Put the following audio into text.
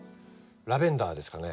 ラベンダーですかね？